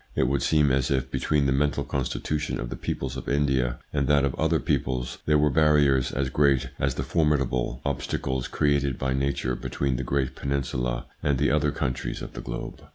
It would seem as if between the mental constitution of the peoples of India and that of other peoples, there were barriers as great as the formidable n6 THE PSYCHOLOGY OF PEOPLES : obstacles created by nature between the great peninsula and the other countries of the globe.